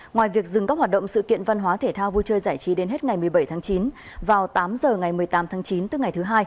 ngoài việc dừng các hoạt động sự kiện văn hóa thể thao vui chơi giải trí đến hết ngày một mươi bảy tháng chín vào tám h ngày một mươi tám tháng chín tức ngày thứ hai